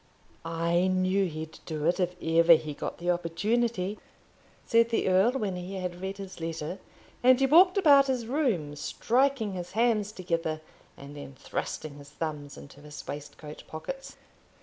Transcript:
"I knew he'd do it if ever he got the opportunity," said the earl when he had read his letter; and he walked about his room striking his hands together, and then thrusting his thumbs into his waistcoat pockets.